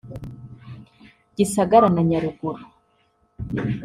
Gisagara na Nyaruguru